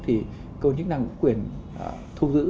thì cầu chức năng quyền thu giữ